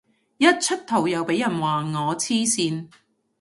一出圖又俾人話我黐線